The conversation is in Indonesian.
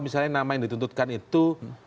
misalnya nama yang dituntutkan itu